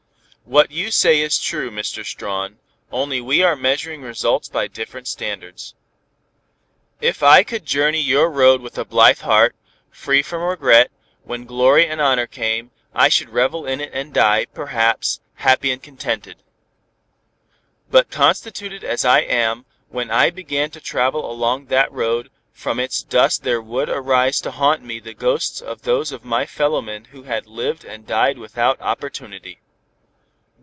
"What you say is true, Mr. Strawn, only we are measuring results by different standards. If I could journey your road with a blythe heart, free from regret, when glory and honor came, I should revel in it and die, perhaps, happy and contented. But constituted as I am, when I began to travel along that road, from its dust there would arise to haunt me the ghosts of those of my fellowmen who had lived and died without opportunity.